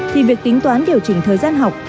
thì việc tính toán điều chỉnh thời gian học